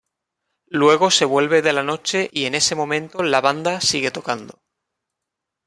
Luego se vuelve de la noche y en ese momento la banda sigue tocando.